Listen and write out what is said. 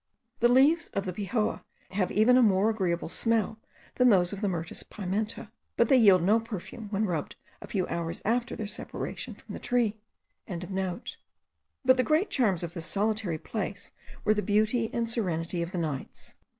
The leaves of the pejoa have even a more agreeable smell than those of the Myrtus pimenta, but they yield no perfume when rubbed a few hours after their separation from the tree.) But the great charms of this solitary place were the beauty and serenity of the nights.